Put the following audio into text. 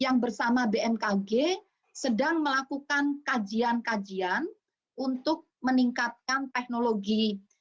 yang bersama bmkg sedang melakukan kajian kajian untuk meningkatkan teknologi